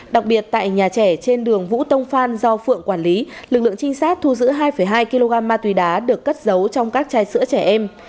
đặc biệt tại nhà trẻ trên đường vũ tông phan do phượng quản lý lực lượng trinh sát thu giữ hai hai kg ma túy đá được cất giấu trong các chai sữa trẻ em